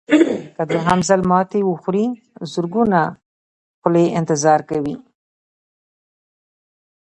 که دوهم ځل ماتې وخورئ زرګونه خولې انتظار کوي.